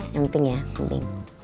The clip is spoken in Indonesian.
yang penting ya